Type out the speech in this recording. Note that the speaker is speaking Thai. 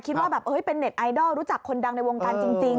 คิดว่าแบบเป็นเน็ตไอดอลรู้จักคนดังในวงการจริง